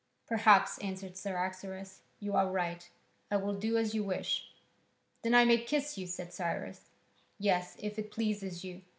"Perhaps," answered Cyaxares, "you are right. I will do as you wish." "Then I may kiss you?" said Cyrus. "Yes, if it pleases you.